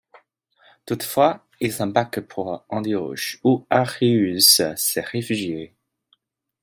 Toutefois, il s'embarque pour Antioche où Arius s'est réfugié.